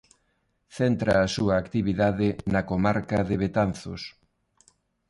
Centra a súa actividade na comarca de Betanzos.